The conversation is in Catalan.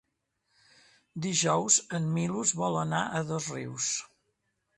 Dijous en Milos vol anar a Dosrius.